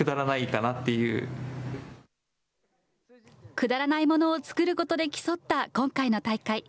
くだらないものを作ることで競った今回の大会。